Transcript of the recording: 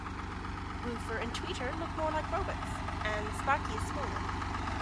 Woofer and Tweeter look more like robots and Sparky is smaller.